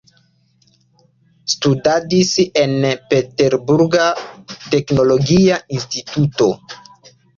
Studadis en Peterburga teknologia instituto.